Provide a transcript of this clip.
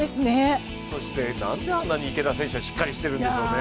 そして、なんであんなに池田選手はしっかりしているんでしょうね。